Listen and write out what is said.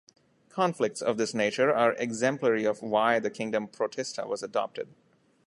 Conflicts of this nature are exemplary of why the kingdom Protista was adopted.